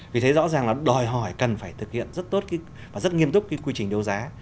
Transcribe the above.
vì thế rõ ràng là đòi hỏi cần phải thực hiện rất tốt và rất nghiêm túc cái quy trình đấu giá